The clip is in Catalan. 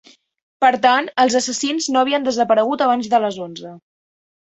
Per tant, els assassins no havien desaparegut abans de les onze.